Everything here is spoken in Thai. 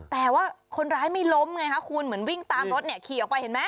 แต่ว่าคนร้ายไม่ล้มไงคะคุณเหมือนวิ่งตามรถเนี่ยขี่ออกไปเห็นไหม